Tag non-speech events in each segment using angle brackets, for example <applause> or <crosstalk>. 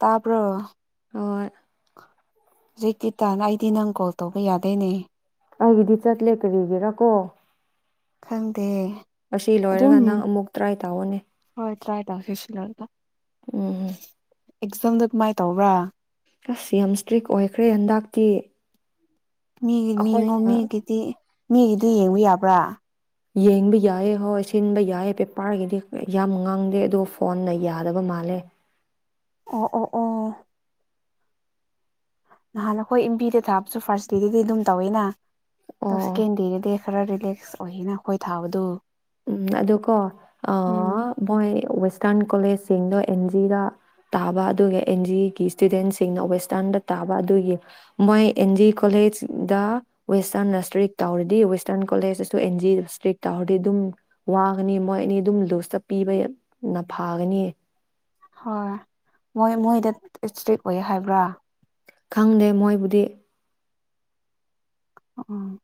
ꯊꯥꯕ꯭ꯔꯣ ꯍꯣꯏ ꯖꯤꯛꯀꯤ ꯇꯥꯥꯟꯅꯥꯢ ꯑꯩꯗꯤ ꯅꯪ ꯀꯣꯜ ꯇꯧꯕ ꯌꯥꯗꯣꯏꯅꯦ ꯑꯩꯒꯤꯗꯤ ꯆꯠꯂꯦ ꯀꯔꯤꯒꯤꯔꯥ ꯀꯣ ꯈꯪꯗꯦ ꯑꯁꯤ ꯑꯗꯨꯝ ꯂꯣꯏꯔꯒ ꯅꯪ ꯑꯃꯨꯛ ꯇ꯭ꯔꯥꯏ ꯇꯧꯋꯣꯅꯦ ꯍꯣꯏ ꯇ꯭ꯔꯥꯏ ꯇꯧꯁꯤ ꯎꯝ ꯑꯦꯛꯖꯥꯝꯗ ꯀꯃꯥꯏꯅ ꯇꯧꯕ꯭ꯔꯥ ꯑꯁ ꯌꯥꯝ ꯁꯇ꯭ꯔꯤꯛ ꯑꯣꯏꯈ꯭ꯔꯦ ꯍꯟꯗꯛꯇꯤ ꯃꯤꯒꯤ ꯃꯤꯉꯣ ꯑꯩꯈꯣꯏꯅ ꯃꯤꯒꯤꯗꯤ ꯃꯤꯒꯤꯗꯤ ꯌꯦꯡꯕ ꯌꯥꯕ꯭ꯔꯥ ꯌꯦꯡꯕ ꯌꯥꯏꯌꯦ ꯍꯣꯏ ꯁꯤꯟꯕ ꯌꯥꯏꯌꯦ ꯄꯦꯄꯔꯒꯤꯗꯤ ꯌꯥꯝ ꯉꯥꯡꯗꯦ ꯑꯗꯣ ꯐꯣꯟꯅ ꯌꯥꯗꯕ ꯃꯥꯜꯂꯦ ꯑꯣ ꯑꯣ ꯑꯣ ꯅꯍꯥꯟ ꯑꯩꯈꯣꯏ ꯏꯝꯕꯤꯗ ꯊꯥꯕꯁꯨ ꯐꯥꯔꯁ ꯗꯦꯗꯗꯤ ꯑꯗꯨꯝ ꯇꯧꯋꯦꯅ ꯗꯣ ꯑꯣ ꯁꯦꯀꯦꯟꯗꯦꯗꯗꯤ ꯈꯔ ꯔꯤꯂꯦꯛꯁ ꯑꯣꯏꯌꯦꯅ ꯑꯩꯈꯣꯏ ꯊꯥꯕꯗꯨ ꯎꯝ ꯑꯗꯣ ꯀꯣ ꯎꯝ ꯑꯥ ꯃꯣꯏ ꯋꯦꯁꯇꯔꯟ ꯀꯣꯂꯦꯖ ꯁꯤꯡꯗꯣ ꯑꯦꯟ ꯖꯤꯗ ꯇꯥꯕ ꯑꯗꯨꯒ ꯑꯦꯟ ꯖꯤꯒꯤ ꯁꯇꯨꯗꯦꯟꯁꯤꯡꯅ ꯋꯦꯁꯇꯔꯟꯗ ꯇꯥꯕ ꯑꯗꯨꯒꯤ ꯃꯣꯏ ꯑꯦꯟ ꯖꯤ ꯀꯣꯂꯦꯖꯗ ꯋꯦꯁꯇꯔꯟꯅ ꯁꯇ꯭ꯔꯤꯛ ꯇꯧꯔꯗꯤ ꯋꯦꯁꯇꯔꯟ ꯀꯣꯂꯦꯖꯇꯁꯨ ꯑꯦꯟ ꯖꯤ ꯁꯇ꯭ꯔꯤꯛ ꯇꯧꯔꯗꯤ ꯑꯗꯨꯝ ꯋꯥꯒꯅꯤ ꯃꯣꯏ ꯑꯅꯤ ꯑꯗꯨꯝ ꯂꯨꯁꯇ ꯄꯤꯕꯩ ꯐꯒꯅꯤ ꯍꯣꯏ ꯃꯣꯏ ꯃꯣꯏꯗ ꯏꯁꯇ꯭ꯔꯤꯛ ꯑꯣꯏ ꯍꯥꯏꯕ꯭ꯔꯥ ꯈꯪꯗꯦ ꯃꯣꯏꯕꯨꯗꯤ ꯎꯝ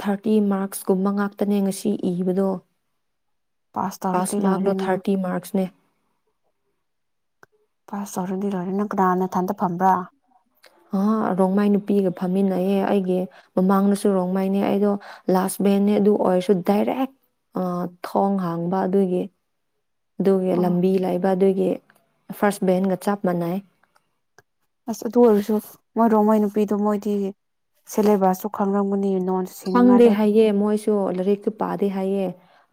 ꯊꯥꯔꯇꯤ ꯃꯥꯔꯛꯁ ꯀꯨꯝꯕ ꯉꯥꯛꯇꯅꯦ ꯉꯥꯁꯤ ꯏꯕꯗꯣ ꯄꯥꯁ ꯇꯧꯔꯗꯤ ꯃꯥꯔꯛꯗꯣ ꯂꯣꯏꯔꯦ ꯅꯪ ꯊꯥꯔꯇꯤ ꯃꯥꯔꯛꯁꯅꯦ ꯄꯥꯁ ꯇꯧꯔꯗꯤ ꯂꯣꯏꯔꯦ ꯅꯪ ꯀꯅꯥꯒ ꯅꯊꯟꯗ ꯐꯝꯕ꯭ꯔꯥ ꯑꯍꯥ ꯔꯣꯡꯃꯥꯏ ꯅꯨꯄꯤꯒ ꯐꯝꯃꯤꯟꯅꯩꯌꯦ ꯑꯩꯒꯤ ꯃꯃꯥꯡꯅꯁꯨ ꯔꯣꯡꯃꯩꯅꯦ ꯑꯩꯗꯣ ꯂꯥꯁ ꯚꯦꯟꯅꯦ ꯑꯗꯨ ꯑꯣꯏꯔꯁꯨ ꯗꯥꯏꯔꯦꯛ ꯊꯣꯡ ꯍꯥꯡꯕ ꯑꯗꯨꯒꯤ ꯑꯗꯨꯒꯤ ꯑꯣ ꯂꯝꯕꯤ ꯂꯩꯕ ꯑꯗꯨꯒꯤ ꯐꯥꯔꯁ ꯕꯦꯟꯒ ꯆꯞ ꯃꯥꯟꯅꯩ ꯑꯁ ꯑꯗꯨ ꯑꯣꯏꯔꯁꯨ ꯃꯣꯏ ꯔꯣꯡꯃꯩ ꯅꯨꯄꯤꯗꯣ ꯃꯣꯏꯗꯤ ꯁꯦꯂꯦꯕꯁꯁꯨ ꯈꯪꯔꯝꯒꯅꯤ ꯅꯣꯟ ꯈꯪꯗꯦ ꯁꯤꯅꯤꯡꯉꯥꯏꯗꯣ ꯍꯥꯏꯌꯦ ꯃꯣꯏꯁꯨ ꯂꯥꯏꯔꯤꯛꯁꯨ ꯄꯥꯗꯦ ꯍꯥꯏꯌꯦ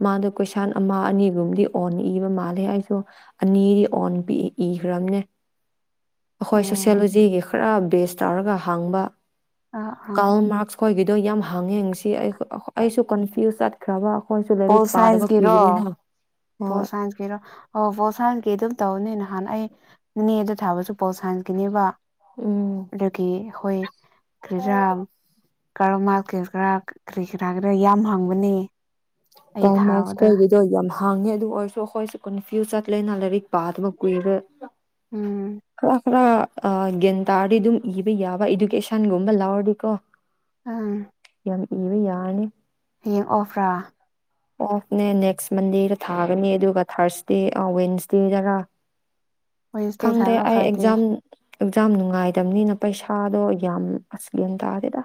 ꯃꯥꯗꯨ ꯀꯣꯏꯁꯥꯟ ꯑꯃ ꯑꯅꯤꯒꯨꯝꯕꯗꯤ ꯑꯣꯟ ꯏꯕ ꯃꯥꯜꯂꯦ ꯑꯩꯁꯨ ꯑꯅꯤꯗꯤ ꯑꯣꯟ ꯏꯈ꯭ꯔꯕꯅꯦ ꯑꯈꯣꯏ ꯑꯦ ꯁꯣꯁꯦꯜꯂꯣꯖꯤꯒꯤ ꯈꯔ ꯕꯦꯁ ꯇꯧꯔꯒ ꯍꯪꯕ ꯑꯥ ꯑꯥ ꯀꯥꯜ ꯃꯥꯔꯛꯁ ꯈꯣꯏꯒꯤꯗꯣ ꯌꯥꯝ ꯍꯪ ꯐꯪꯉꯦ ꯉꯁꯤ ꯑꯩ ꯑꯩꯁꯨ ꯀꯟꯐ꯭ꯌꯨꯁ ꯆꯠ ꯈ꯭ꯔꯕ ꯄꯣꯜ ꯁꯥꯏꯟꯁꯀꯤꯔꯣ ꯄꯣꯜ ꯍꯣꯏ ꯁꯥꯏꯟꯁꯀꯤꯔꯣ ꯑꯣ ꯄꯣꯜ ꯁꯥꯏꯟꯁꯀꯤ ꯑꯗꯨꯝ ꯇꯧꯅꯤꯅ ꯅꯍꯥꯟ ꯑꯩ ꯃꯦꯗ ꯊꯥꯕꯁꯨ ꯄꯣꯜ ꯁꯥꯏꯟꯀꯤꯅꯦꯕ ꯎꯝ ꯑꯗꯨꯒꯤ ꯍꯣꯏ <unintelligible> ꯀꯥꯔꯜ ꯃꯥꯛꯁ ꯀꯤ ꯈꯔ ꯀ꯭ꯔꯤ ꯀꯔꯥꯒꯤꯔꯥ ꯌꯥꯝ ꯍꯪꯕꯅꯦ ꯑꯩ ꯀꯥꯔꯜ ꯃꯥꯛꯁ ꯊꯥꯕꯗ ꯈꯣꯏꯒꯤꯗꯣ ꯌꯥꯝꯅ ꯍꯪꯉꯦ ꯑꯗꯨ ꯑꯣꯏꯔꯁꯨ ꯑꯩꯈꯣꯏꯁꯨ ꯀꯟꯐ꯭ꯌꯨꯁ ꯆꯠꯂꯦꯅ ꯂꯥꯏꯔꯤꯛ ꯄꯥꯗꯕ ꯀꯨꯏꯔꯦ ꯎꯝ ꯀꯅꯥ ꯀꯅꯥ ꯑ ꯒ꯭ꯌꯥꯟ ꯇꯥꯔꯗꯤ ꯑꯗꯨꯝ ꯏꯕ ꯌꯥꯕ ꯏꯗꯨꯀꯦꯁꯟꯒꯨꯝꯕ ꯂꯧꯔꯗꯤꯀꯣ ꯑꯥꯝ ꯏꯕ ꯌꯥꯔꯅꯤ ꯑꯣꯐꯔꯥ ꯑꯣꯐꯅꯦ ꯅꯦꯛꯁ ꯃꯟꯗꯦꯗ ꯊꯥꯒꯅꯤ ꯑꯗꯨꯒ ꯊꯥꯔꯁꯗꯦ ꯑꯥ ꯋꯦꯟꯁꯗꯦꯗꯔ ꯋꯦꯟꯁꯗꯦ ꯈꯪꯗꯦ ꯊꯥꯔꯒ ꯑꯩ ꯐ꯭ꯔꯥꯏꯗꯦ ꯑꯦꯛꯖꯥꯝ ꯑꯦꯛꯖꯥꯝ ꯅꯨꯡꯉꯥꯏꯇꯕꯅꯤꯅ ꯄꯩꯁꯥꯗꯣ ꯌꯥꯝ ꯑꯁ ꯒꯌ꯭ꯥꯟ ꯇꯥꯗꯦꯗ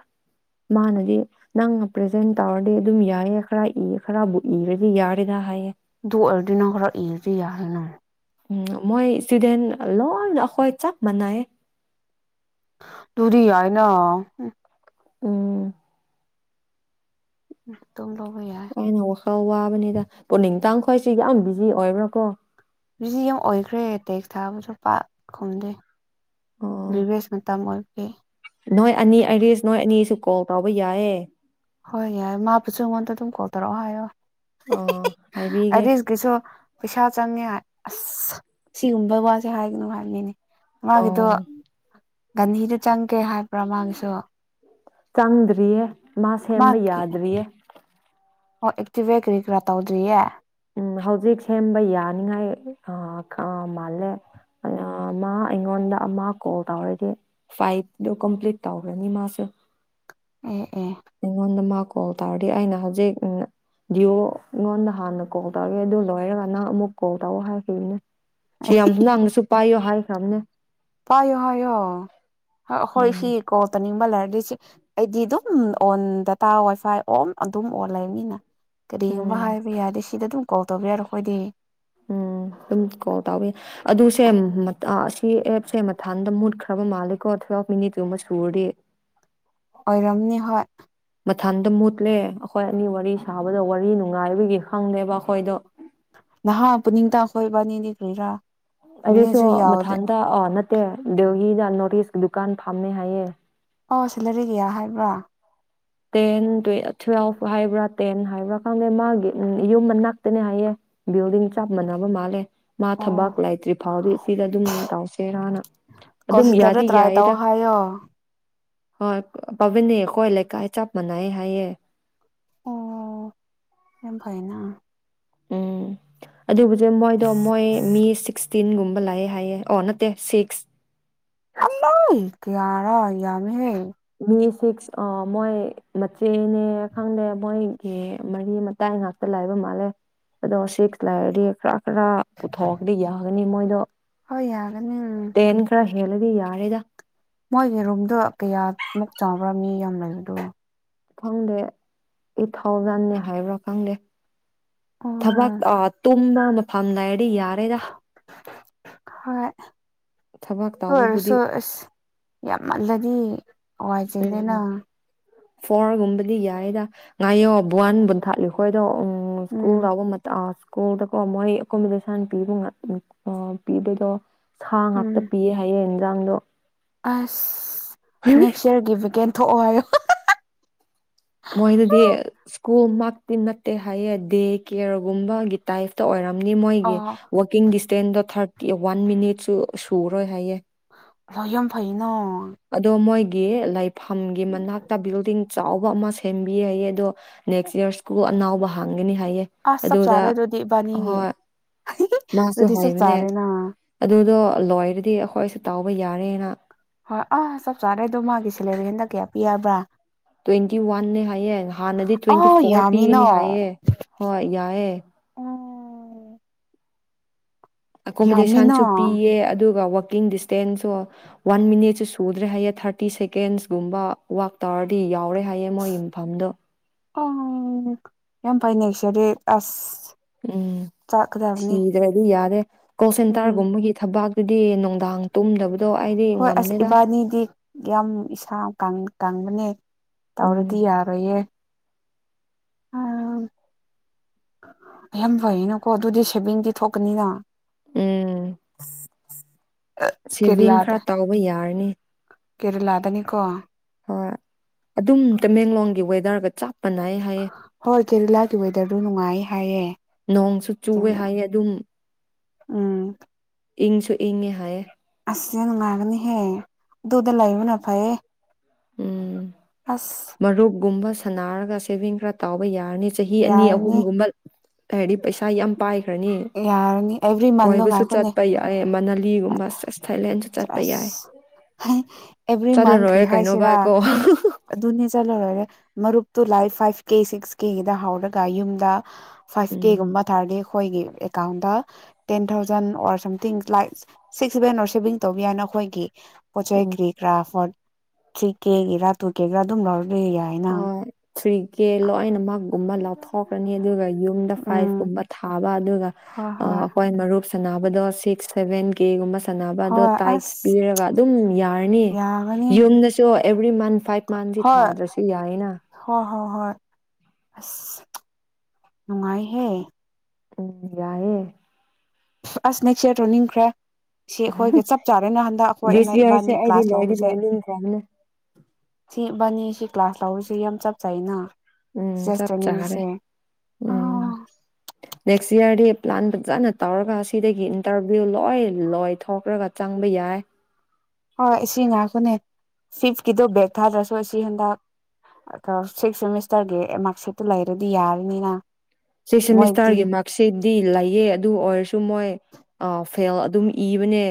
ꯃꯥꯅꯗꯤ ꯅꯪꯅ ꯄ꯭ꯔꯖꯦꯟꯠ ꯇꯧꯔꯗꯤ ꯑꯗꯨꯝ ꯌꯥꯏꯌꯦ ꯈꯔ ꯏ ꯈꯔꯕꯨ ꯏꯔꯗꯤ ꯌꯥꯔꯦꯗ ꯍꯥꯏꯌꯦ ꯗꯨ ꯑꯣꯏꯔꯗꯤ ꯅꯪ ꯈꯔ ꯏꯔꯗꯤ ꯌꯥꯔꯦꯅ ꯎꯝ ꯃꯣꯏ ꯁ꯭ꯇꯨꯗꯦꯟ ꯂꯣꯏꯅ ꯑꯩꯈꯣꯏ ꯆꯞ ꯃꯥꯟꯅꯩ ꯇꯨꯗꯤ ꯌꯥꯏꯅ ꯍꯨꯝ ꯎꯝ <inaudible> ꯌꯥꯏ ꯑꯩꯅ ꯋꯥꯈꯜ ꯋꯥꯕꯅꯤꯗ ꯄꯨꯅꯤꯡꯇꯥꯡ ꯈꯣꯏꯁꯤ ꯌꯥꯝ ꯕꯤꯖꯤ ꯑꯣꯏꯕ꯭ꯔꯀꯣ ꯕꯤꯖꯤ ꯌꯥꯝ ꯑꯣꯏꯈ꯭ꯔꯦ ꯇꯦꯛꯁ ꯊꯥꯕꯁꯨ ꯄꯥꯛ ꯈꯨꯝꯗꯦ ꯑꯣ <unintelligible> ꯑꯦ ꯅꯣꯏ ꯑꯅꯤ ꯑꯥꯏꯔꯤꯁ ꯅꯣꯏ ꯑꯅꯤꯁꯨ ꯀꯣꯜ ꯇꯧꯕ ꯌꯥꯏꯌꯦ ꯍꯣꯏ ꯌꯥꯏ ꯃꯥꯕꯨꯁꯨ ꯑꯩꯉꯣꯟꯗ ꯑꯗꯨꯝ ꯀꯣꯜ ꯇꯧꯔꯛꯑꯣ ꯍꯥꯏꯌꯣ ꯑꯣ <inaudible> ꯍꯥꯏꯕꯤꯒꯦ ꯑꯥꯏꯔꯤꯁ ꯀꯤꯁꯨ ꯄꯩꯁꯥ ꯆꯪꯉꯦ ꯍꯥꯏ ꯑꯁ ꯁꯤꯒꯨꯝꯕ ꯋꯥꯁꯦ ꯍꯥꯏꯒꯅꯨ ꯍꯥꯏꯅꯤꯅꯦ ꯃꯥꯒꯤꯗꯣ ꯑꯣ ꯒꯥꯟꯙꯤꯗꯨ ꯆꯪꯒꯦ ꯍꯥꯏꯕ꯭ꯔ ꯃꯥꯥꯒꯤꯁꯨ ꯆꯪꯗ꯭ꯔꯤꯌꯦ ꯃꯥ ꯁꯦꯝꯕ ꯃꯥꯒꯤ ꯌꯥꯗ꯭ꯔꯤꯌꯦ ꯑꯣ ꯑꯦꯛꯇꯤꯚꯦꯀꯔꯤꯒ꯭ꯔꯥ ꯇꯧꯗ꯭ꯔꯤꯌꯦ ꯎꯝ ꯍꯧꯖꯤꯛ ꯁꯦꯝꯕ ꯌꯥꯅꯤꯉꯥꯏ ꯃꯥꯜꯂꯦ ꯑꯥ ꯃꯥ ꯑꯩꯉꯣꯟꯗ ꯑꯃ ꯀꯣꯜ ꯇꯧꯔꯗꯤ ꯐꯥꯏꯚꯗꯣ ꯀꯝꯄ꯭ꯂꯤꯠ ꯇꯧꯈ꯭ꯔꯅꯤ ꯃꯥꯁꯨ ꯑꯦ ꯑꯦ ꯑꯩꯉꯣꯟꯗ ꯃꯥ ꯀꯣꯜ ꯇꯧꯔꯗꯤ ꯑꯩꯅ ꯍꯧꯖꯤꯛ ꯗꯤꯑꯣ ꯑꯩꯉꯣꯟꯗ ꯍꯥꯟꯅ ꯀꯣꯛ ꯇꯛꯑꯒꯦ ꯑꯗꯨ ꯂꯣꯏꯔꯒꯥ ꯅꯪ ꯑꯃꯨꯛ ꯀꯣꯜ ꯇꯑꯣ ꯍꯥꯏꯔꯈꯅꯤ ꯁꯤ ꯌꯥꯝꯗꯨ ꯅꯪꯁꯨ ꯄꯥꯏꯌꯣ ꯍꯥꯏ ꯁꯝꯅꯦ ꯄꯥꯏꯌꯣ ꯍꯥꯏꯌꯣ ꯍꯣꯏ ꯎꯝ ꯐꯤ ꯀꯣꯇꯧꯅꯤꯡꯕ ꯂꯩꯔꯗꯤ ꯑꯩꯗꯤ ꯗꯨꯝ ꯑꯣꯟ ꯗꯇꯥ ꯋꯥꯏꯐꯥꯏ ꯑꯣꯟ ꯑꯗꯨꯝ ꯑꯣꯟ ꯂꯩꯔꯅꯤꯅ ꯎꯝ ꯇꯧꯕ ꯌꯥꯔꯣ ꯑꯩꯈꯣꯏꯗꯤ ꯎꯝ ꯑꯗꯨꯝ ꯀꯣꯜ ꯇꯥꯎꯋꯦ ꯑꯗꯨꯁꯦ ꯃꯇꯥ ꯁꯤ ꯑꯦꯞꯁꯦ ꯃꯊꯥꯟꯗ ꯃꯨꯠꯈ꯭ꯔꯕ ꯃꯥꯜꯂꯦꯀꯣ ꯇꯨꯋ꯭ꯦꯜꯐ ꯃꯤꯅꯤꯠꯀꯨꯝꯕ ꯁꯨꯔꯗꯤ ꯑꯣꯏꯔꯝꯅꯤ ꯍꯣꯏ ꯃꯊꯟꯇ ꯃꯨꯠꯂꯦ ꯑꯩꯈꯣꯏ ꯑꯅꯤ ꯋꯥꯔꯤ ꯁꯥꯕꯗ ꯋꯥꯔꯤ ꯅꯨꯡꯉꯥꯏꯕꯒꯤ ꯈꯪꯗꯦꯕ ꯑꯩꯈꯣꯏꯗꯣ <unintelligible> ꯅꯣꯏꯕꯥꯟꯅꯤꯅꯤ ꯀꯔꯤꯔꯥ ꯑꯗꯨꯁꯨ ꯃꯤꯅꯤꯠꯁꯨ ꯌꯥꯎꯗꯦ ꯃꯊꯥꯟꯇ ꯑ ꯅꯠꯇꯦ ꯗꯦꯎꯍꯤꯗ ꯅꯣꯔꯤꯁ ꯗꯨꯀꯥꯟ ꯐꯥꯝꯃꯦ ꯍꯥꯏꯌꯦ ꯑꯣ ꯁꯤꯂꯔꯤ ꯀꯌꯥ ꯍꯥꯏꯕ꯭ꯔꯥ ꯇꯦꯟ ꯇꯨꯋ꯭ꯦꯜꯐ ꯍꯥꯏꯕ꯭ꯔꯥ ꯇꯦꯟ ꯍꯥꯏꯕ꯭ꯔꯥ ꯈꯪꯗꯦ ꯃꯥꯒꯤ ꯌꯨꯝ ꯃꯅꯥꯛꯇꯅꯦ ꯍꯥꯏꯌꯦ ꯕꯤꯜꯗꯤꯡ ꯆꯞ ꯃꯥꯟꯅꯕ ꯃꯥꯜꯂꯦ ꯃꯥ ꯑꯣ ꯊꯕꯥꯛ ꯂꯩꯥꯏꯇ꯭ꯔꯤ ꯐꯥꯎꯗꯤ ꯁꯤꯗ ꯑꯗꯨꯝ ꯇꯧꯁꯦꯔꯥꯅ ꯀꯣꯜ ꯑꯗꯨꯝ ꯁꯦꯟꯇꯔꯗ ꯌꯥꯗꯤ ꯇ꯭ꯔꯥꯏ ꯇꯧ ꯌꯥꯏꯌꯦꯗ ꯍꯥꯏꯌꯣ ꯍꯣꯏ ꯄꯕꯅꯤ ꯀꯣꯏꯂꯩ ꯀꯥꯏ ꯆꯞ ꯃꯥꯟꯅꯩ ꯍꯥꯏꯌꯦ ꯑꯣ ꯌꯥꯝ ꯐꯥꯏꯅ ꯎꯝ ꯑꯗꯨꯕꯨꯗꯤ ꯃꯣꯏꯗꯣ ꯃꯣꯏ ꯃꯤ ꯁꯤꯛꯁꯇꯤꯟꯒꯨꯝꯕ ꯂꯥꯛꯑꯦ ꯍꯥꯏꯌꯦ ꯑꯣ ꯅꯠꯇꯦ ꯁꯤꯛꯁ ꯑꯝ ꯀꯌꯥꯔꯥ <inaudible> ꯎꯝ <unintelligible> <unintelligible> ꯁꯤꯛꯁ ꯑ ꯃꯣꯏ ꯃꯆꯦꯅꯦ ꯈꯪꯗꯦ ꯃꯣꯏꯒꯤ ꯃꯔꯤ ꯃꯇꯥꯏ ꯉꯥꯛꯇ ꯂꯥꯏꯕ ꯃꯥꯜꯂꯦ ꯑꯗꯣ ꯁꯤꯛꯁ ꯂꯥꯏꯔꯗꯤ ꯈꯔ ꯄꯨꯊꯣꯀꯗꯤ ꯌꯥ ꯅꯤ ꯃꯣꯏꯗꯣ ꯍꯣꯏ ꯌꯥꯒꯅꯤ ꯍꯦꯂꯗꯤ ꯌꯥꯔꯦꯗ ꯃꯣꯏꯒꯤ ꯔꯨꯝꯗꯣ ꯀꯌꯥ ꯑꯃꯛ ꯆꯥꯎꯪꯕ꯭ꯔꯥ ꯃꯤ ꯌꯥꯝ ꯂꯩꯕꯗꯣ ꯈꯪꯗꯦ ꯑꯩꯠ ꯊꯥꯎꯖꯟꯅꯤ ꯍꯥꯏꯕ꯭ꯔꯥ ꯈꯪꯗꯦ ꯊꯕꯛ ꯎꯝ ꯑꯥ ꯇꯨꯝꯅ ꯐꯝꯅꯥꯏꯠ ꯗꯤ ꯌꯥꯔꯦꯗ ꯍꯣꯏ ꯊꯕꯛ ꯇꯧꯕꯕꯨꯗꯤ ꯑꯣꯏꯔꯁꯨ ꯑꯁ ꯌꯥꯝ ꯉꯜꯂꯗꯤ ꯋꯥꯏ ꯆꯤꯜꯂꯦꯅ ꯎꯝ ꯐꯣꯔꯒꯨꯝꯕꯗꯤ ꯌꯥꯏꯗ ꯉꯥꯏꯌꯣ ꯕ꯭ꯋꯥꯟ ꯕꯨꯟꯊꯥꯠꯂꯨ ꯈꯣꯏꯗꯣ ꯎꯝ ꯎꯝ <unintelligible> ꯁ꯭ꯀꯨꯜꯗꯀꯣ ꯃꯣꯏ ꯑꯦꯀꯣꯃꯤꯗꯦꯁꯟ ꯄꯤꯕ ꯉꯥ ꯑ ꯄꯤꯕꯗꯣ ꯁꯥ ꯎꯝ ꯉꯥꯛꯇ ꯄꯤꯌꯦ ꯍꯥꯏꯌꯦꯅꯦ ꯥ <unintelligible> ꯗꯥꯡꯗꯣ ꯑꯁ ꯅꯦꯛꯁ ꯏꯌꯔꯒꯤ ꯚꯦꯀꯦꯟ ꯊꯣꯛꯑꯣ ꯍꯥꯏꯌꯨ ꯍꯥ ꯍꯥ ꯍꯥ ꯍꯥ ꯃꯣꯏꯗꯗꯤ ꯁ꯭ꯀꯨꯜ ꯃꯛꯇꯤ ꯅꯠꯇꯦ ꯍꯥꯏꯌꯦ ꯗꯦ ꯀꯦꯌꯔꯒꯨꯝꯕꯒꯤ ꯇꯥꯏꯞꯇ ꯑꯣꯏꯔ ꯅꯤ ꯃꯣꯏꯒꯤ ꯋꯥꯔꯀꯤꯡꯗꯤꯁ ꯇꯦꯟꯗ ꯊꯥꯔꯇꯤ ꯋꯥꯟ ꯃꯤꯅꯤꯠꯁꯨ ꯁꯨꯔꯣꯏ ꯍꯥꯏꯌꯦ ꯂꯣ ꯌꯥꯝ ꯐꯩꯅꯥ ꯑꯗꯣ ꯃꯣꯏꯒꯤ ꯂꯥꯏꯐ ꯐꯝꯒꯤ ꯃꯅꯥꯛꯇ ꯕꯤꯜꯗꯤꯡ ꯆꯥꯎꯕ ꯑꯃ ꯁꯦꯝꯕꯤ ꯍꯥꯏꯌꯦ ꯑꯗꯣ ꯅꯦꯛꯁ ꯌꯔ ꯁ꯭ꯀꯨꯜ ꯑꯅꯥꯎꯕ ꯍꯥꯡ ꯉꯅꯤ ꯍꯥꯏꯌꯦ ꯑꯁ ꯆꯞ ꯑꯗꯨꯗ ꯆꯥꯔꯦ ꯑꯗꯨꯗꯤ ꯏꯕꯥꯅꯤꯒꯤ ꯍꯣꯏ ꯃꯥꯁꯨ ꯑꯗꯨꯗꯤ ꯆꯞ ꯍꯥꯏꯕꯅꯦ ꯆꯥꯔꯦꯅ ꯑꯗꯨꯗꯣ ꯂꯣꯏꯔꯗꯤ ꯑꯩꯈꯣꯏꯁꯨ ꯇꯧꯕ ꯌꯥꯔꯦꯅ ꯍꯣꯏ ꯑꯥ ꯆꯞ ꯆꯥꯔꯦꯗꯣ ꯃꯥꯒꯤ ꯁꯦꯂꯦꯔꯤ ꯍꯟꯗꯛ ꯀꯌꯥ ꯄꯤ ꯍꯥꯏꯕ꯭ꯔꯥ ꯇ꯭ꯋꯦꯟꯇꯤ ꯋꯥꯟꯅꯦ ꯍꯥꯏꯌꯦ ꯍꯥꯟꯅꯗꯤ ꯇ꯭ꯋꯦꯟꯇꯤ ꯑꯥ ꯐꯣꯔ ꯌꯥꯝꯃꯤꯅ ꯄꯤꯒꯅꯤ ꯍꯥꯏꯌꯦ ꯑꯣ ꯍꯣꯏ ꯌꯥꯏꯌꯦ ꯌꯥꯝꯃꯤꯅ ꯑꯦꯀꯣꯃꯣꯗꯦꯁꯟꯁꯨ ꯄꯤꯌꯦ ꯑꯗꯨꯒ ꯋꯥꯥꯛꯀꯤꯡꯗꯤꯁ ꯇꯦꯟꯁꯨ ꯋꯥꯟ ꯃꯤꯅꯤꯠꯁꯨ ꯁꯨꯗ꯭ꯔꯦ ꯍꯥꯏꯌꯦ ꯊꯥꯔꯇꯤ ꯁꯦꯀꯦꯟꯁꯀꯨꯝꯕ ꯋꯥꯛ ꯇꯧꯔꯗꯤ ꯌꯥꯎꯔꯦ ꯍꯥꯏꯌꯦ ꯃꯣꯏ ꯌꯨꯝꯐꯝꯗꯣ <unintelligible> ꯎꯝ ꯆꯥꯛꯀꯗꯕꯅꯤ ꯊꯤꯗ꯭ꯔꯗꯤ ꯌꯥꯔꯦ ꯀꯣꯜ ꯎꯝ ꯁꯦꯟꯇꯔꯒꯨꯝꯕꯒꯤ ꯊꯕꯥꯛꯇꯨꯗꯤ ꯅꯨꯡꯗꯥꯡ ꯇꯨꯝꯗꯕꯗꯣ ꯑꯩꯗꯤ ꯍꯣꯏ ꯑꯁ ꯉꯝꯗꯦꯗ ꯏꯕꯥꯅꯤꯗꯤ ꯌꯥꯝ ꯏꯁꯥ ꯀꯪꯕꯅꯦ ꯇꯧꯔꯗꯤ ꯎꯝ ꯌꯥꯔꯣꯏꯌꯦ ꯑꯥ ꯌꯥꯝ ꯐꯩꯌꯦꯅꯀꯣ ꯑꯗꯨꯗꯤ ꯁꯦꯚꯤꯡꯗꯤ ꯊꯣꯛꯀꯅꯤꯅ ꯎꯝ ꯁꯦꯚꯤꯡ ꯈꯔ ꯇꯥꯎꯕ ꯌꯥꯔꯅꯤ ꯀꯦꯔꯦꯂꯥꯗꯅꯤꯀꯣ ꯍꯣꯏ ꯑꯗꯨꯝ ꯇꯃꯦꯡꯂꯣꯡꯒꯤ ꯋꯦꯗꯔꯒ ꯆꯞ ꯃꯥꯟꯅꯩ ꯍꯥꯏꯌꯦ ꯍꯣꯏ ꯀꯦꯔꯂꯥꯒꯤ ꯋꯦꯗꯔꯗꯨ ꯅꯨꯡꯉꯥꯏ ꯍꯥꯏꯌꯦ ꯅꯣꯡꯁꯨ ꯆꯨꯋꯦ ꯄꯨꯡ ꯍꯥꯏꯌꯦ ꯑꯗꯨꯝ ꯎꯝ ꯏꯪꯁꯨ ꯏꯪꯉꯦ ꯍꯥꯏꯌꯦ ꯑꯁ ꯅꯪ ꯅꯨꯡꯉꯥꯏꯔꯝꯒꯅꯤꯍꯦ ꯑꯗꯨꯗ ꯂꯩꯕꯅ ꯐꯩꯌꯦ ꯎꯝ ꯑꯁ ꯃꯥꯔꯨꯞ ꯒꯨꯝꯕꯁꯨ ꯁꯥꯟꯅꯔꯒ ꯁꯦꯚꯤꯡ ꯈꯔ ꯇꯧꯕ ꯌꯥꯏ ꯌꯥꯔꯅꯤ ꯆꯍꯤ ꯑꯅꯤ ꯌꯥꯔꯅꯤ ꯑꯍꯨꯝꯒꯨꯝꯕ ꯍꯥꯏꯗꯤ ꯄꯩꯁꯥ ꯌꯥꯝ ꯄꯥꯏ ꯈ꯭ꯔꯅꯤ ꯌꯥꯔꯅꯤ ꯑꯦꯕ꯭ꯔꯤ ꯃꯟꯗꯣ ꯀꯣꯏꯕꯁꯨ ꯉꯥꯏꯈꯣꯅꯦ ꯆꯠꯄ ꯌꯥꯏ ꯃꯅꯥꯂꯤꯒꯨꯝꯕ ꯁꯦꯁ ꯊꯥꯏꯂꯦꯟꯁꯨ ꯆꯠꯄ ꯌꯥꯏ ꯑꯁ ꯑꯦꯕ꯭ꯔꯤ ꯆꯠꯂ ꯃꯟ ꯀ꯭ꯔꯤ ꯂꯣꯏꯔꯦ ꯀꯩꯩꯅꯣ ꯍꯥꯏꯁꯤꯔꯥ ꯚꯥꯏꯀꯣ ꯑꯗꯨꯅꯦ ꯆꯠꯂꯔꯣꯏꯔꯦ ꯃꯔꯨꯞꯇꯨ ꯂꯥꯏ ꯐꯥꯏꯚ ꯀꯤ ꯁꯤꯛꯁ ꯀꯤꯗ ꯍꯧꯔꯒ ꯌꯨꯝꯗ ꯐꯥꯏꯚ ꯎꯝ ꯗꯦꯒꯨꯝꯕ ꯇꯥꯔ ꯗꯤ ꯑꯩꯈꯣꯏꯒꯤ ꯗ ten thousand or something like six seven or saving ꯇꯧꯕ ꯌꯥꯏꯅ ꯑꯩꯈꯣꯏꯒꯤ ꯄꯣꯠꯆꯩ ꯎꯝ ꯀ꯭ꯔꯤ ꯀ꯭ꯔꯥ ꯐꯣꯟ ꯊ꯭ꯔꯤ ꯀꯦꯒꯤꯔꯥ ꯇꯨ ꯀꯦꯒꯤꯔ ꯑꯗꯨꯝ ꯂꯧ ꯍ ꯊ꯭ꯔꯤ ꯀꯦ ꯂꯣꯏꯅꯃꯛꯒꯨꯝꯕ ꯂꯧꯊꯣꯛꯀꯅꯤ ꯑꯗꯨꯒ ꯌꯨꯝꯗ ꯐꯥꯏꯚ ꯎꯝ ꯀꯨꯝꯕ ꯊꯥꯕ ꯗꯨꯒ ꯍꯣꯏ ꯍꯣꯏ ꯑꯩꯈꯣꯏꯅ ꯃꯔꯨꯞꯁ ꯁꯥꯟꯅꯕꯗꯣ ꯁꯤꯛꯁ ꯁꯦꯚꯦꯟ ꯀꯦꯒꯨꯝꯕ ꯁꯅꯕ ꯗꯣ ꯍꯣꯏ ꯇꯥꯏꯇꯁ ꯑꯁ ꯄꯤꯔꯒ ꯑꯗꯨꯝ ꯌꯥꯔꯅꯤ ꯌꯥꯒꯅꯤ ꯌꯨꯝꯗꯁꯨ ꯊ꯭ꯔꯤ ꯃꯟ ꯐꯥꯏꯚ ꯃꯟꯗꯤ ꯍꯣꯏ ꯊꯥꯗ꯭ꯔꯁꯨ ꯌꯥꯏꯅ ꯍꯣꯏ ꯍꯣꯏ ꯍꯣꯏ ꯑꯁ ꯅꯨꯡꯉꯥꯏꯍꯦ ꯎꯝ ꯌꯥꯏꯑꯦ ꯑꯁ ꯅꯦꯛꯁ ꯏꯔ ꯇꯧ ꯅꯤꯡꯈ꯭ꯔꯦ ꯁꯤ ꯑꯩꯈꯣꯏꯒ ꯆꯞ ꯆꯥꯔꯦꯅ ꯍꯟꯗꯛ ꯑꯩꯈꯣꯏ ꯑꯅ ꯗꯤꯁ ꯌꯔꯁꯦ ꯏꯕꯥꯅꯤ ꯑꯩꯗꯤ ꯀ꯭ꯂꯥꯁ ꯂꯣꯏꯗꯤ ꯂꯧꯕꯁꯦ ꯂꯣꯏꯅꯤꯡꯈ꯭ꯔꯕꯅꯦ ꯁꯤ ꯕꯥꯅꯤ ꯁꯤ ꯀ꯭ꯂꯥꯁ ꯂꯧꯔꯤꯁꯤ ꯌꯥꯝ ꯆꯞ ꯆꯥꯥꯏꯅ ꯎꯝ ꯆꯞ ꯆꯥꯔꯦ ꯎꯝ ꯑꯥ ꯅꯦꯛꯁ ꯏꯌꯥꯔꯗꯤ ꯄ꯭ꯂꯥꯟ ꯐꯖꯅ ꯇꯧꯔꯒ ꯁꯤꯗꯒꯤ ꯏꯟꯇꯔꯚꯤꯌꯨ ꯂꯣꯏ ꯂꯣꯏ ꯊꯣꯛꯈ꯭ꯔꯒ ꯆꯪꯕ ꯌꯥꯏ ꯍꯣꯏ ꯑꯁꯤ ꯉꯥꯛꯇꯅꯦ ꯐꯤꯐꯀꯤꯗꯣ ꯕꯔꯦꯛ ꯊꯥꯗ꯭ꯔꯁꯨ ꯑꯁꯤ ꯍꯟꯗꯛ ꯁꯤꯛꯁ ꯁꯦꯃꯤꯁꯇꯔꯒꯤ ꯃꯥꯔꯛ ꯁꯤꯠꯇꯨ ꯂꯩꯔꯗꯤ ꯌꯥꯔꯤꯅꯤꯅ ꯁꯤꯛꯁ ꯁꯦꯃꯤꯁꯇꯥꯥꯔꯒꯤ ꯃꯥꯔꯛꯁꯤꯠ ꯗꯤ ꯂꯩꯌꯦ ꯑꯗꯨ ꯑꯣꯏꯔꯁꯨ ꯃꯣꯏ ꯐꯦꯜ ꯑꯗꯨꯝ ꯏꯕꯅꯦ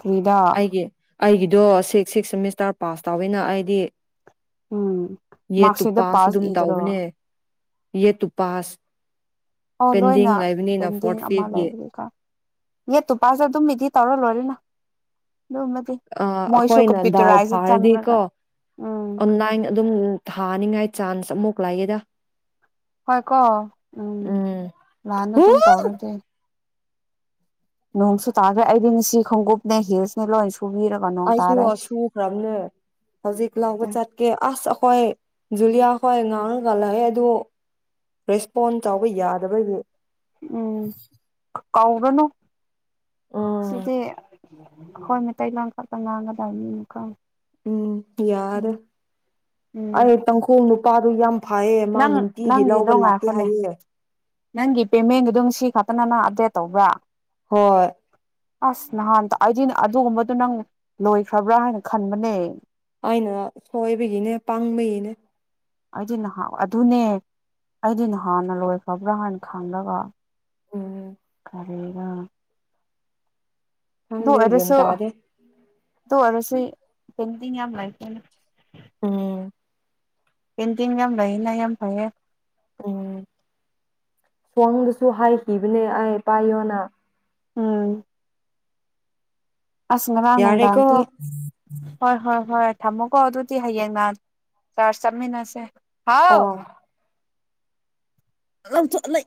ꯀ꯭ꯔꯤꯗꯥ ꯑꯩꯒꯤ ꯑꯩꯒꯤꯗꯣ ꯁꯤꯛꯁ ꯁꯤꯛꯁ ꯁꯦꯃꯤꯁꯇꯔ ꯄꯥꯁ ꯇꯧꯋꯦꯅ ꯑꯩꯗꯤ ꯎꯝ ꯌꯦꯠꯇꯨ ꯃꯥꯔꯛꯁꯤꯠꯇ ꯄꯥꯁ ꯑꯗꯨꯝ ꯏꯗ꯭ꯔꯣ ꯇꯧꯕꯅꯦ ꯌꯦꯠꯇꯨ ꯄꯥꯁ ꯑꯣ ꯄꯦꯟꯗꯤꯡ ꯂꯣꯏꯅ ꯂꯩꯕꯅꯤꯅ ꯄꯦꯟꯗꯤꯡ ꯐꯣꯔꯠ ꯑꯃ ꯐꯤꯐꯀꯤ ꯂꯩꯕꯒꯤꯀꯣ ꯌꯦꯠꯇꯨ ꯄꯥꯁ ꯑꯗꯨꯝ ꯏꯗꯤꯠ ꯇꯧꯔ ꯂꯣꯏꯔꯦꯅ ꯑꯗꯨꯃꯗꯤ ꯑ ꯃꯣꯏꯁꯨ ꯑꯩꯈꯣꯏꯅ ꯗꯥꯎ ꯀꯝꯄ꯭ꯌꯨꯇꯔꯥꯏꯁꯇ ꯆꯪꯔꯒ ꯐꯥꯔꯗꯤꯀꯣ ꯎꯝ ꯑꯣꯟꯂꯥꯏꯟ ꯑꯗꯨꯝ ꯊꯥꯅꯤꯡꯉꯥꯏ ꯆꯥꯟꯁ ꯑꯃꯨꯛ ꯂꯩꯌꯦꯗ ꯄꯥꯏꯀꯣ ꯎꯝ ꯂꯥꯟꯗ ꯍꯨ ꯑꯗꯨꯝ ꯇꯧꯔꯗꯩ ꯅꯣꯡꯁꯨ ꯇꯥꯈ꯭ꯔꯦ ꯑꯩꯗꯤ ꯉꯥꯁꯤ ꯈꯣꯡꯒꯨꯞꯅꯦ ꯍꯤꯜꯁꯅꯦ ꯂꯣꯏꯅ ꯑꯩꯁꯨ ꯁꯨꯈ꯭ꯔꯝꯅꯦ ꯍꯧꯖꯤꯛ ꯂꯧꯕ ꯆꯠꯀꯦ ꯑꯁ ꯑꯈꯣꯏ ꯖꯨꯂꯤꯌꯥ ꯍꯣꯏ ꯉꯥꯡꯔꯒ ꯂꯥꯛꯑꯦ ꯑꯗꯨ ꯔꯦꯁꯄꯣꯟ ꯇꯧꯕ ꯌꯥꯗꯒꯤ ꯎꯝ ꯀꯧꯒꯅꯨ ꯎꯝ ꯁꯤꯗꯤ ꯍꯣꯏ ꯃꯩꯇꯩ ꯂꯣꯟꯈꯛꯇ ꯉꯥꯡꯒꯗꯕꯅꯤꯅ ꯈꯣ ꯎꯝ ꯌꯥꯔꯔꯣꯢ ꯎꯝ ꯑꯩ ꯇꯪꯈꯣꯡ ꯅꯨꯞ ꯇꯥꯔꯨ ꯌꯥꯝ ꯐꯩꯌꯦ ꯃꯥ ꯅꯪ ꯅꯨꯡꯇꯤꯒꯤ ꯂꯧꯕ ꯅꯪꯒꯤꯗꯣ ꯂꯥꯛꯀꯦ ꯉꯥꯏꯈꯣꯅꯦ ꯍꯥꯏꯌꯦ ꯅꯪꯒꯤ ꯄꯦꯃꯦꯟꯒꯤꯗꯣ ꯉꯥꯁꯤ ꯈꯛꯇꯅ ꯅ ꯑꯞꯗꯦꯠ ꯇꯧꯕ꯭ꯔ ꯍꯣꯏ ꯑꯁ ꯅꯍꯥꯟ ꯑꯩꯗꯤ ꯑꯗꯨꯒꯨꯝꯕꯗꯨ ꯅꯪ ꯂꯣꯏꯈ꯭ꯔꯕꯔꯥ ꯍꯥꯏꯅ ꯈꯟꯕꯅꯦ ꯑꯩꯅ ꯁꯣꯏꯕꯒꯤꯅꯦ ꯄꯪꯕꯒꯤꯅꯦ ꯑꯩꯗꯤ ꯅꯍꯥꯟ ꯑꯗꯨꯅꯦ ꯑꯩꯗꯤ ꯅꯍꯥꯟꯅ ꯂꯣꯏꯈ꯭ꯔꯕ꯭ꯔ ꯍꯥꯏꯅ ꯈꯜꯂꯒ ꯎꯝ ꯀꯔꯤꯔꯥ ꯈꯪꯗꯦ ꯒꯌꯥꯟ ꯇꯗꯦ ꯑꯗꯨ ꯑꯣꯏꯔꯁꯨ ꯄꯦꯟꯇꯤꯡ ꯌꯥꯝ ꯂꯩꯇꯦꯅꯦ ꯎꯝ ꯄꯦꯟꯇꯤꯡ ꯌꯥꯝ ꯂꯩꯌꯦꯅ ꯌꯥꯝ ꯐꯩꯌꯦ ꯎꯝ ꯁ꯭ꯋꯥꯡꯗꯁꯨ ꯍꯥꯏꯈꯤꯕꯅꯦ ꯑꯩ ꯄꯥꯏꯌꯣꯅ ꯎꯝ ꯑꯁ ꯉꯔꯥꯡ ꯌꯥꯔꯦꯀꯣ ꯅꯨꯡꯗꯥꯡꯗꯤ ꯍꯣꯏ ꯍꯣꯏ ꯍꯣꯏ ꯊꯝꯃꯣꯀꯣ ꯑꯗꯨꯗꯤ ꯍꯌꯦꯡꯅ ꯆꯥꯔꯖ ꯆꯠꯃꯤꯟꯅꯁꯦ ꯍꯥꯎ ꯑꯣ ꯑꯝꯊ ꯂꯩ